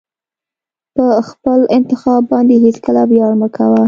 په خپل انتخاب باندې هېڅکله ویاړ مه کوه.